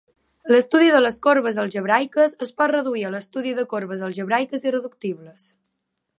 L'estudi de les corbes algebraiques es pot reduir a l'estudi de corbes algebraiques irreductibles.